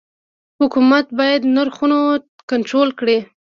حکومت باید نرخونه کنټرول کړي؟